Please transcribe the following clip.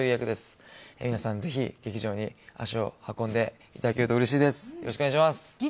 皆さん、ぜひ、劇場に足を運んでいただけるとうれしいです。